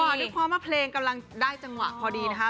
ด้วยความว่าเพลงกำลังได้จังหวะพอดีนะคะ